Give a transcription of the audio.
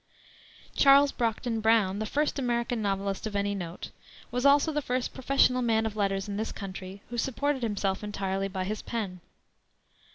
Charles Brockden Brown, the first American novelist of any note, was also the first professional man of letters in this country who supported himself entirely by his pen.